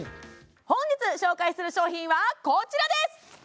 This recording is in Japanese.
本日紹介する商品はこちらです！